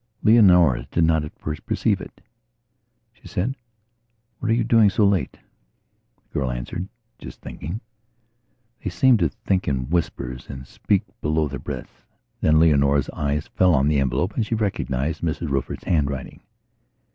Leonora did not at first perceive it. She said: "What are you doing so late?" The girl answered: "Just thinking." They seemed to think in whispers and to speak below their breaths. Then Leonora's eyes fell on the envelope, and she recognized Mrs Rufford's handwriting.